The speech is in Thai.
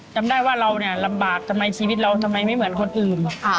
จำได้ว่าเราเนี่ยลำบากทำไมชีวิตเราทำไมไม่เหมือนคนอื่น